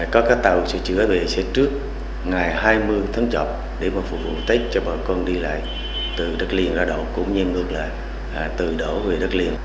có các tàu sửa chữa về sẽ trước ngày hai mươi tháng chọc để phục vụ tết cho bọn con đi lại từ đất liền ra đổ cũng như ngược lại từ đổ về đất liền